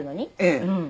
ええ。